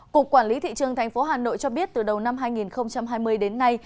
cục quản lý thị trường tp hà nội cho biết từ đầu năm hai nghìn hai mươi đến nay